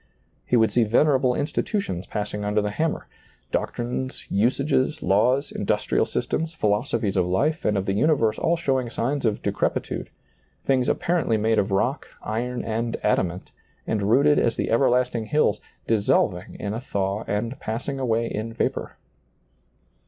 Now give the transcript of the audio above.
He would see venerable institutions passing under the hammer ; doctrines, usages, laws, industrial systems, phi losophies of life and of the universe all showing signs of decrepitude, things apparently made of rock, iron and adamant, and rooted as the ever lasting hills, dissolving in a thaw and passing away in vapor.